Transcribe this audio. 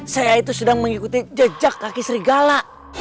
saya itu sedang mengikuti jejak kaki sri gala